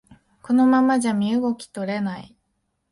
このままじゃ身動き取れない